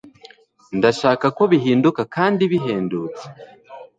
ndashaka ko bihinduka kandi bihendutse